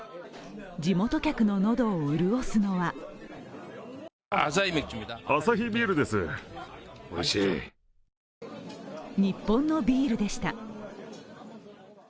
地元客の喉を潤すのは日本のビールでした。